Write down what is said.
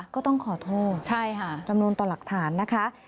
ก็ต้องขอโทษจำนวนต่อหลักฐานนะคะ